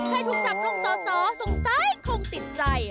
ให้ทุกจับตรงสอสงสัยคงติดใจ